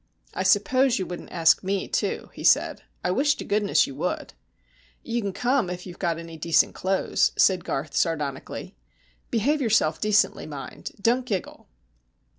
"I suppose you wouldn't ask me too," he said. "I wish to goodness you would!" "You can come if you've got any decent clothes," said Garth, sardonically. "Behave yourself decently, mind. Don't giggle."